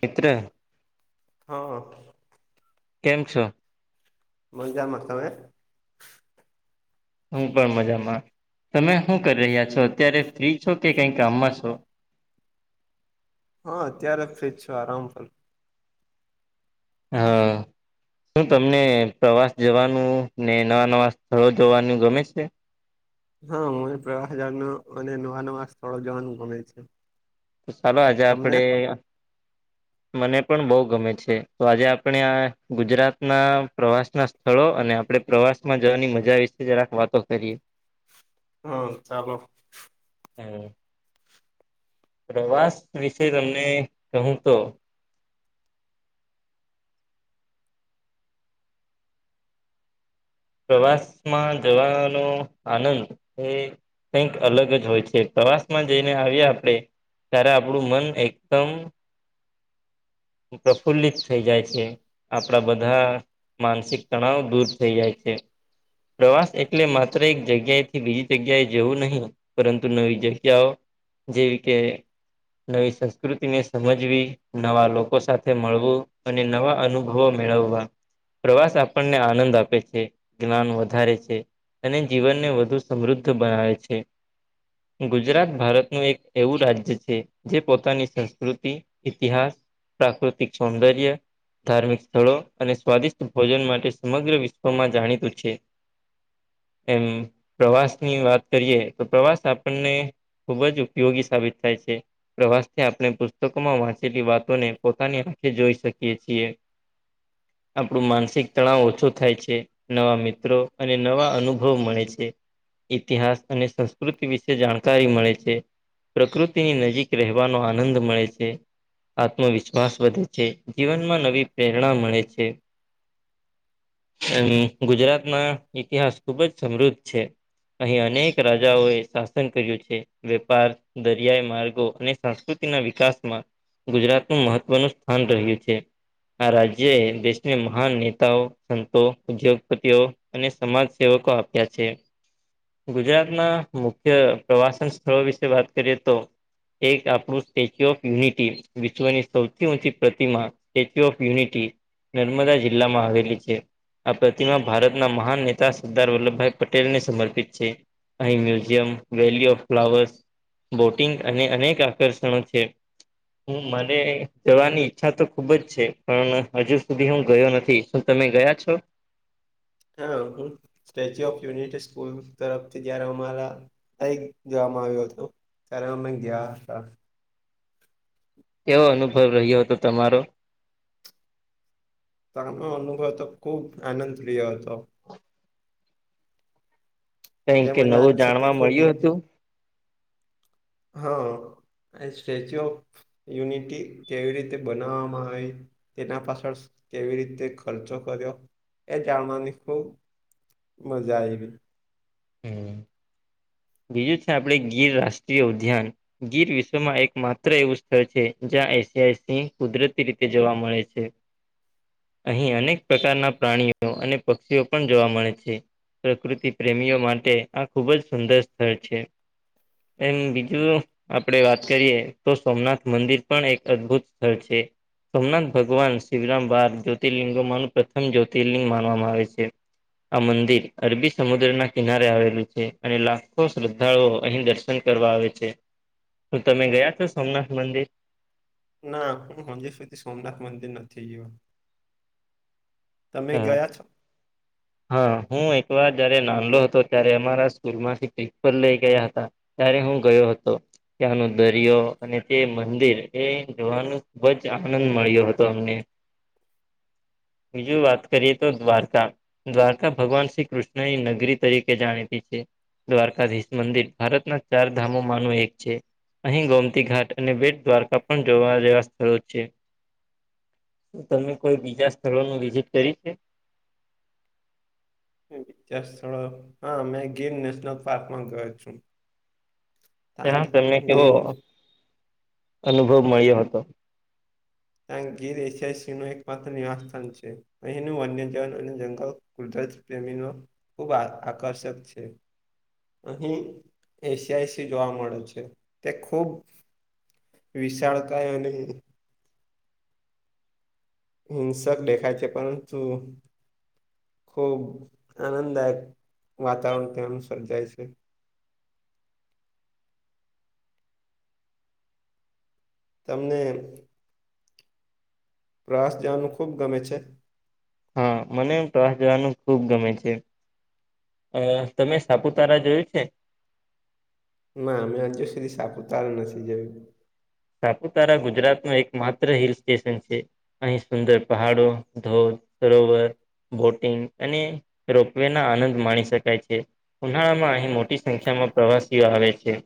મિતિત્ર હા કેમ છો મજજામ માસ્ તમે હું પણ મજામાં તમે શું કરી રહ્યા છો અત્યારે ફ્રી છો કે કંઈ કામમાં છો હા અત્યારે જ ફ્રીજ છો આરામ ફ હા શું તમને પ્રવાસ જવાનું ને નવા નવા સ્થળો જવાનું ગમે છે હા મને પ્રવાસજાર ન અને નવા નવા સ્થળો જવાનું ગમે છે. ચાલો આજે તમને આપડે મને પણ બહુ ગમે છે. તો આજે આપણે આ ગુજરાત ના પ્રવાસ ના સ્થળો અને આપણે પ્રવાસ માં જવાની મજા વિશે જ રાક વાતો કરીએ. હા ચાલો. હમ પ્રવાસ વિશે તમને કહું તો પ્રવાસમાં જવાનો આનંદ એ કઈક અલગ જ હોય છે. પ્રવાસ માં જઈને આવીએ આપણે ત્યારે આપણું મન એકદમ પ્રફુલ્લિત થઈ જાય છે. આપણા બધા માનસિક તણાવ દૂર થઈ જાય છે. પ્રવાસ એટલે માત્ર એક જગ્યાએથી બીજી જગ્યાએ જેવું નહીં પરંતુ નવી જગ્યાઓ જેવી કે નવી સંસ્કૃતિને સમજવી નવા લોકો સાથે મળવું અને નવા અનુભવો મેળવવા પ્રવાસ આપણને આનંદ આપે છે. જ્ઞાન વધારે છે અને જીવનને વધુ સમૃદ્ધ બનાવે છે. ગુજરાત ભારતનું એક એવું રાજ્ય છે, જે પોતાની સંસ્કૃતિ ઇતિહાસ, પ્રાકૃતિક સૌંદર્ય ધાર્મિક સ્થળો અને સ્વાદિષ્ટ ભોજન માટે સમગ્ર વિશ્વમાં જાણીતું છે. એમ પ્રવાસ ની વાત કરીએ તો પ્રવાસ આપણને ખુબ જ ઉપયોગી સાબિત થાય છે. પ્રવાસથી આપણે પુસ્તકોમાં વાંચેલી વાતોને પોતાની આંખે જોઈ શકીએ છીએ. આપણું માનસિક તણાવ ઓછો થાય છે. નવા મિત્રો અને નવા અનુભવ મળે છે. ઇતિહાસ અને સંસ્કૃતિ વિશે જાણકારી મળે છે. પ્રકૃતિની નજીક રહેવાનો આનંદ મળે છે. આત્મવિશ્વાસ વધે છે, જીવનમાં નવી પ્રેરણા મળે છે. અમ ગુજરાત ના ઇતિહાસ ખુબ જ સમૃદ્ધ છે. અહીં અનેક રાજાઓ એ શાસન કર્યું છે. વેપાર, દરિયાઈ માર્ગો અને સંસ્કૃતિના વિકાસમાં ગુજરાતનું મહત્વનું સ્થાન રહ્યું છે. આ રાજ્ય દેશને મહાન નેતાઓ, સંતો, ઉદ્યોગ પતિઓ અને સમાજ સેવકો આપ્યા છે. ગુજરાતના મુખ્ય પ્રવાસન સ્થળો વિશે વાત કરીએ તો એક આપણું સ્ટેચ્યુ ઓફ યુનિટી વિશ્વની સૌથી ઊંચી પ્રતિમા સ્ટેચ્યુ ઓફ યુનિટી નર્મદા જિલ્લામાં આવેલી છે. આ પ માં ભારતના મહાન નેતા સરદાર વલ્લભભાઈ પટેલને સમર્પિત છે. અહિ museum, valley of flowers boating અને અનેક આકર્ષણો છે. હુ મને જવાની ઈચ્છા તો ખુબ જ છે. પણ હજુ સુધી હું ગયો નથી. તમે ગયા છો? હા અંકુ સ્ટેચ્યુ ઓફ યુનિટી સ્કૂલ તરફથી જયારે અમારા જવામાં આવ્યો હતો, ત્યારે અમે ગયા હતા. કેવો અનુભવ રહ્યો હતો તમારો? અનુભવ અનુભવ તો ખુબ આનંદ પ્રિય હતો. જે કઈ કે મને આજ નવું સુધી જાણવા ખૂબ મળ્યું હતું? હા આ સ્ટેચ્યુ ઓફ યુનિટી કેવી રીતે બનાવવામાં આવે તેના પાછળ કેવી રીતે ખર્ચો કર્યો, એ જાણવાની ખૂબ મજા આયવી. હમ્મ. બીજું છે આપડે ગીર રાષ્ટ્રીય ઉદ્યાન. ગીર વિશ્વમાં એક માત્ર એવું સ્થળ છે, જ્યાં એશિયાની કુદરતી રીતે જોવા મળે છે. અહીં અનેક પ્રકારના પ્રાણીઓ અને પક્ષીઓ પણ જોવા મળે છે. પ્રકૃતિ પ્રેમીઓ માટે આ ખૂબ જ સુંદર સ્થળ છે. એમ બીજું આપણે વાત કરીએ તો સોમનાથ મંદિર પણ એક અદભુત સ્થળ છે. સોમનાથ ભગવાન શિવરામ બાર જ્યોતિર્લિંગોમાંનું પ્રથમ જ્યોતિર્લિંગ માનવામાં આવે છે. આ મંદિર અરબી સમુદ્ર ના કિનારે આવેલું છે અને લ. ો શ્રદ્ધાળુઓ અહીં દર્શન કરવા આવે છે તો તમે ગયા છો સોમનાથ મંદિર. ના હ હજીુ સુધી સોમનાથ મંદિર નથી ગવા. તમે હા ગયા છો. હા હું એકવાર જયારે નાનલો હતો ત્યારે અમારા સ્કૂલમાંથી પ્રિન્સિપલ લઈ ગયા હતા. ત્યારે હું ગયો હતો. ત્યાંનો દરિયો અને તે મંદિર એ જોવાનું ખુબ જ આનંદ મળ્યો હતો અમને. બીજું વાત કરીએ તો દ્વારકા. દ્વારકા ભગવાન શ્રી કૃષ્ણ એ નગરી તરીકે જાણીતી છે. દ્વારકાધીશ મંદિર ભારતના ચાર ધામોમાંનું એક છે. અહીં ગોમતી ઘાટ અને બેટ દ્વારકા પણ જોવા જેવા સ્થળો છે. તમે કોઈ બીજા સ્થળોનું વિઝિટ કરી છે. વિચાર સ્થળો હા મેં ગીન નેશનલ પાર્કમાં ગયો છું. ત્યાં તના તમને ગી- કેવો ગીર અનુભવ મળ્યો હતો. ત ગીર એસ શીણો એક પત્ર નિવાસતા છે. અહીંનું વન્ય જવન અને જંગલ કુદરત પ્રેમીનો. ખૂબ આ આકર્ષક છે. અહી એશિયાઈસીી જોવા મળે છે તે ખૂબ. વિશાળતાાય અને. હિંસક દેખાાય છે પરંતુ. ખુબ આનંદદાયક વાતાવરણ ત્યા સર્જાય છે. તમને. પ્રસ જવાનું ખૂબ ગમે છે. હા મને પ્રવાસ જવાનું ખુબ ગમે છે. અ તમે સાપુતારા જોયું છે. ના અમે આજે સુધી સાપું તાર નથીસીી જ. સાપુતારા ગુજરાત ન એક માત્ર હિલ સ્ટેશન છે. અહીં સુંદર પહાડો ધોધ સરોવર. બોટિંગ અને રોપવે ના આનંદ માણી શકાય છે. ઉનાળામાં અહીં મોટી સંખ્યામાં પ્રવાસીઓ આવે છે.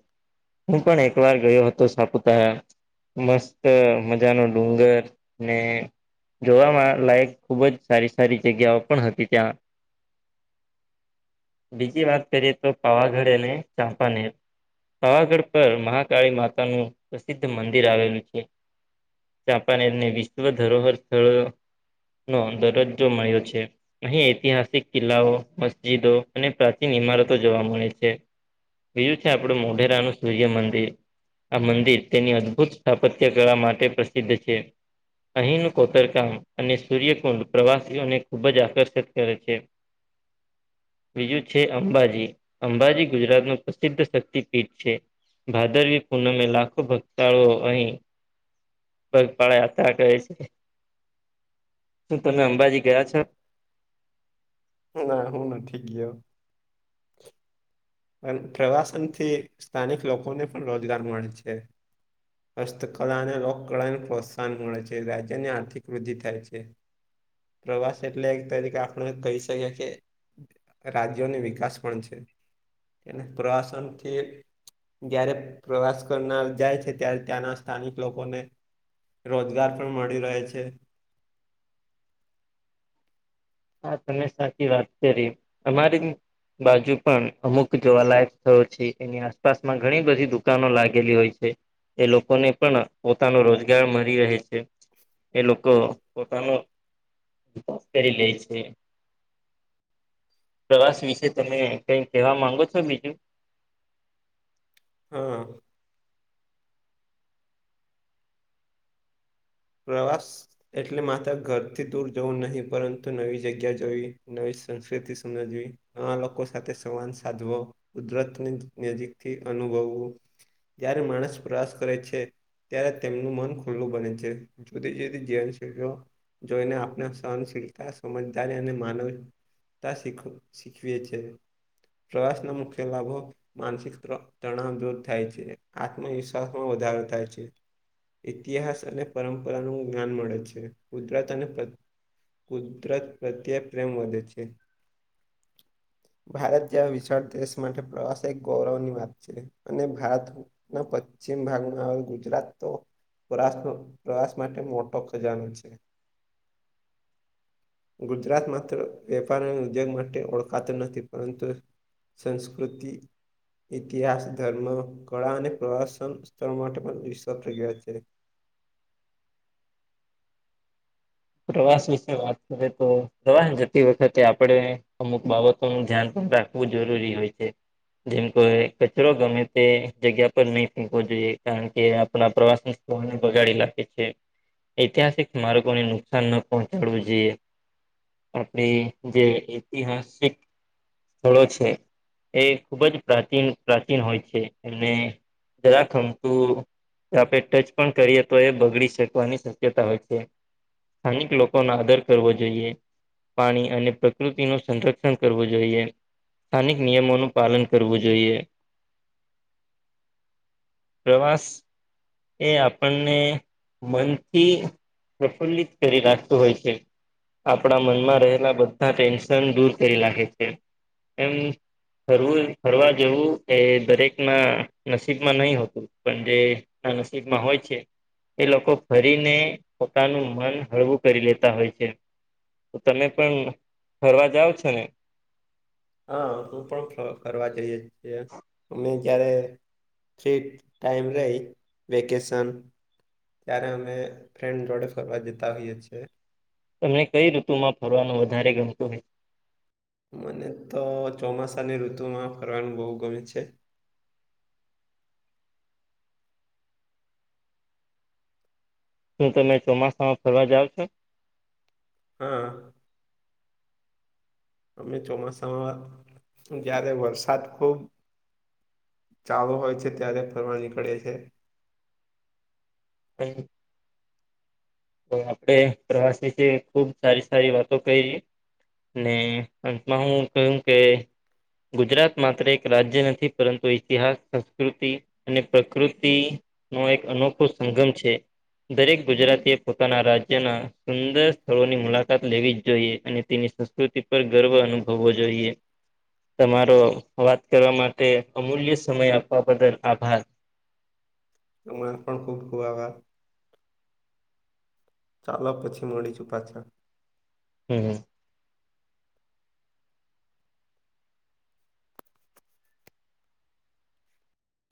હું પણ એક વાર ગયો હતો સાપુતારા. મસ્ત મજા ન ડુંગર ને. જોવામાં લાયક ખૂબ જ સારી સારી જગ્યાઓ પણ હતી ત્યાં. બીજી વાત કરીએે તો પાવાગઢ અને ચાંપાનેર. પાવાગઢ પર મહાકાળી માતાનું પ્રસિદ્ધ મંદિર આવેલું છે. જાપાન એને વિશ્વ ધરોહર સ્થળ નો દરજ્જો મળ્યો છે. અહીં ઐતિહાસિક કિલ્લાઓ મસ્જિદો અને પ્રાચીન ઈમારતો જોવા મળે છે. બીજું છે આપડું મોઢેરા નું સૂર્ય મંદિર આ મંદિર. તેની અદભુત સ્થાપત્ય કરવાળ માટે પ્રસિદ્ધ છે. અહીંનું કોતરકામ અને સૂર્યકુંડ પ્રવાસીઓને ખુબ જ આકર્ષિત કરે છે. [inaudible] બીજું છે અંબાજી અંબાજી ગુજરાત નું પ્રસિદ્ધ શક્તિપીઠ છે. ભાદરવી પૂનમમે લાખો ભક્ત. તળો અહી પગપાળા યાત્રા કહે છે. તો તમે અંબાજી ગયા છો. ના હું ના ઠ ગયો. [inaudible] પણ પ્રવાસનથી સ્થાનિક લોકોને પણ રોજગાર મળે છે. હસ્તકલા અને લોકકળાને પ્રોત્સાહન મળે છે રાજ્યની આર્થિક વૃદ્ધિ થાય છે. હ. પ્રવાસ એટલે એક તરીકે આપણે કહી શકીએ કે. રાજ્યોની વિકાસ પણ છે. તે બ્રસનથીથી. જારે પ્રવાસ કરનાર જાય છે ત્યારે ત્યાંના સ્થાનિક લોકોને. રોજગાર પણ મળી રહે છે. હા તમે સાચી વાત કરી અમારી. બાજુ પણ અમુક જોવાલાયક સ્થળો છે એની આસપાસમાં ઘણી બધી દુકાનો લાગેલી હોય છે. એ લોકોને પણ પોતાનો રોજગાર મળી રહે છે. એ લોકો પોતાનો કરી લે છે. પ્રવાસ વિશે તમે કઈ કહેવા માંગો છો બીજું. હા. પ્રવાસ. એટલે માતા ઘરથી દૂર જવું નહીં પરંતુ નવી જગ્યા જવી નવી સંસ્કૃતિ સમજવી. આ લોકો સાથે સંવાદ સાધવો કુદરતની નજીકથી અનુભવવું. જ્યારે માણસ પ્રવાસ કરે છે ત્યારે તેમનું મન ખુલ્લું બને છે. જુદી જુદી જીવનશીખ જોઈને આપણે સહનશીલતા સમજદારી અને માનવ. શીખવી છે પ્રવાસના મુખ્ય લાભો. માનસિક તણાવ દૂર થાય છે આત્મવિશ્વાસમાં વધારો થાય છે. ઇતિહાસ અને પરંપરાનું જ્ઞાન મળે છે કુદરત અને. કુદરત પ્રત્યે પ્રેમ વધે છે. [inaudible] ભારત જેવા વિશાળ દેશ માટે પ્રવાસે એક ગૌરવની વાત છે અને ભારત. ના પશ્ચિમ ભાગમાં હ ગુજરાત તો પરા. પ્રવાસ માટે મોટો ખજાનો છે. [inaudible] ગુજરાત માત્ર વેપાર અને ઉદ્યોગ માટે ઓળખાતું નથી પરંતુ. સંસ્કૃતિ. ઇતિહાસ ધર્મ કળા અને પ્રવાસન સ્થળ માટે પણ વિશ્વસ પ્રગ છે. પ્રવાસ વિશે વાત કરીએ તો દવાન જતી વખતે આપણે અમુક બાબત. ધ્યાન પણ રાખવું જરૂરી હોય છે. જેમ કો કચરો ગમે તે જગ્યા પર નહી ફેંકવો જોઈએ કારણ કે આપણા પ્રવાસન. બગાડી લખે છે ઐતિહાસિક માર્ગોને નુકસાન ન પહોંચાડવું જોઈએ. આપણી જે ઐતિહાસિક સ્થળો છે. એ ખૂબ જ પ્રાચીન પ્રાચીન હોય છે એને જરાખમતું. આપણે ટચ પણ કરીએ તો એ બગડી શકવાની શક્યતા હોય છે. સ્થાનિક લોકો નો આદર કરવો જોઈએ. પાણી અને પ્રકૃતિ નું સંરક્ષણ કરવું જોઈએ. સ્થાનિક નિયમોનું પાલન કરવું જોઈએ. પ્રવાસ. એ આપણને મનથી પ્રફુલ્લિત. કરી નાખતું હોય છે. આપણા મનમાં રહેલા બધા ટેન્શન દૂર કરી નાખે છે એમ. ફરવું ફરવા જેવું એ દરેકના નસીબમાં નહી હોતું પણ જે. ના નસીબમાં હોય છે એ લોકો ફરીને પોતાનું મન હળવું કરી લેતા હોય છે તો તમે પણ ફરવા જાાવ છો ને હા તું પણ ફર જઈએ છીએ અ જય્યારે ફ્રી ટાઈમ રે વેકેસન ત્યારે અમે ફ્રેન્ડ જોડે ફરવા જતા હોઈએ છીએ તમને કઈ ઋતુમાં ફરવાનું વધારે ગમતું હોય મને તો ચોમાસાની ઋતુમાં ફરવાનું બહુ ગમે છે શું તમે ચોમાસામાં ફરવા જાવ છો હમ અમે ચોમાસામાં જ્યારે વરસાદ ખૂબ ચાલુ હોય છે ત્યારે ફરવા નીકળે છે [inaudible] તો આપડે પ્રવાસ વિશે ખુબ સારી સારી વાતો કરીહી ને અંતમાં હું કહ્યું કે ગુજરાત માત્ર એક રાજ્ય નથી પરંતુ ઇતિહાસ સંસ્કૃતિ અને પ્રકૃતિ નો એક અનોખો સંગમ છે દરેક ગુજરાતી પોતાના રાજ્યના સુંદર સ્થળોની મુલાકાત લેવી જ જોઈએ અને તેની સંસ્કૃતિ પર ગર્વ અનુભવવો જોઈએ તમારો વાત કરવા માટે અમૂલ્ય સમય આપવા બદલ આભાર તો મ પણ ખૂબ ખૂબા ચાલો પછી મળી ચુ પાછા હમ હમ